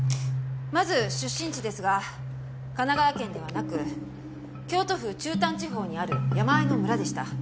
まず出身地ですが神奈川県ではなく京都府中丹地方にある山あいの村でした。